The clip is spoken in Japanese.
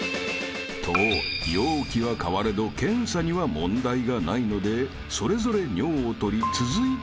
［と容器は変われど検査には問題がないのでそれぞれ尿をとり］